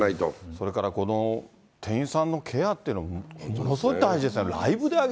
それからこの店員さんのケアというのもものすごく大事ですよ